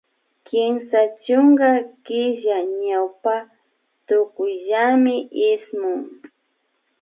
Kimsa chusku killa ñawpa tukuyllami ismun